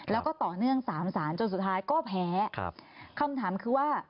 แล้วก็ต่อเนื่องสามสารจนสุดท้ายก็แพ้ครับคำถามคือว่า